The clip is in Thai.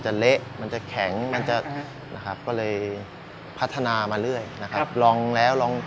เละมันจะแข็งมันจะนะครับก็เลยพัฒนามาเรื่อยนะครับลองแล้วลอง